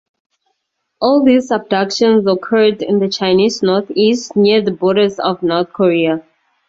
All these abductions occurred in the Chinese North-East, near the borders of North Korea.